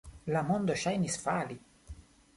La mondo ŝajnis fali.